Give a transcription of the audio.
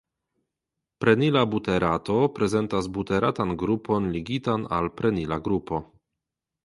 Prenila buterato prezentas buteratan grupon ligitan al prenila grupo.